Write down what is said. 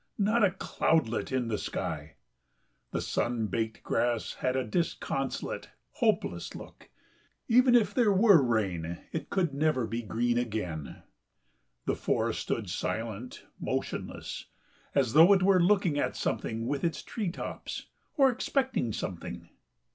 Not a cloudlet in the sky.... The sun baked grass had a disconsolate, hopeless look: even if there were rain it could never be green again.... The forest stood silent, motionless, as though it were looking at something with its tree tops or expecting something.